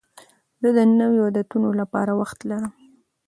زه د نویو عادتونو لپاره وخت لرم.